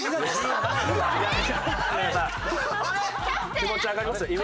気持ちわかりますよ。